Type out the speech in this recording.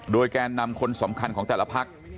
โดยแกนนำคนสำคัญของแต่ละพัก